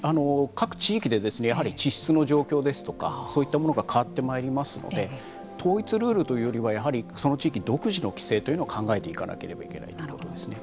各地域でやはり地質の状況ですとかそういったものが変わってまいりますので統一ルールというよりはやはりその地域独自の規制というのを考えていかなければいけないということですね。